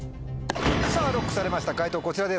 さぁＬＯＣＫされました解答こちらです。